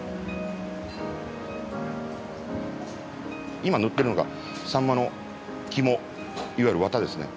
今塗ってるのがサンマの肝いわゆるワタですね。